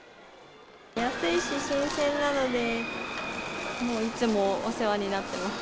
安いし新鮮なので、もういつもお世話になってます。